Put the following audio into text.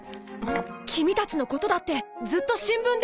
君たちのことだってずっと新聞で追い掛けてた！